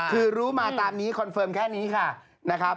คือรู้มาตามนี้คอนเฟิร์มแค่นี้ค่ะนะครับ